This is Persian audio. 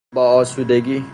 با آسودگی